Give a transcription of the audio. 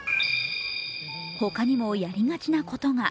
他にも、やりがちなことが。